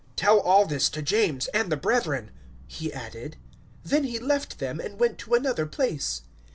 "Tell all this to James and the brethren," he added. Then he left them, and went to another place.